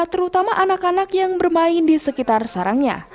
terutama anak anak yang bermain di sekitar sarangnya